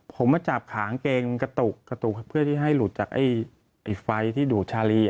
ผมมาจับขางเกงกระตุกกระตุกเพื่อที่ให้หลุดจากไฟที่ดูดชาลี